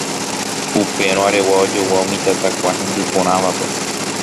Upérõ Aregua ojogua umi tatakua hendy porãvape.